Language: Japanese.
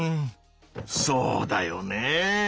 そうだよねぇ！